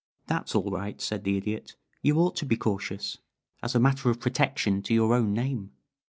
"That's all right," said the Idiot. "You ought to be cautious, as a matter of protection to your own name.